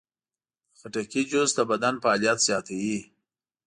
د خټکي جوس د بدن فعالیت زیاتوي.